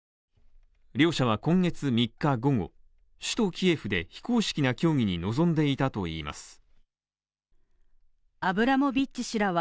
両者は今月３日午後、首都キエフで非公式な協議に臨んでいたといいます。